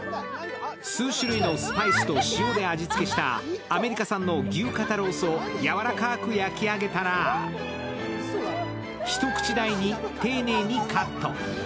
数種類のスパイスと塩で味付けしたアメリカ産の牛肩ロースをやわらかく焼き上げたら、一口大に丁寧にカット。